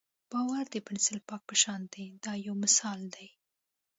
باور د پنسل پاک په شان دی دا یو مثال دی.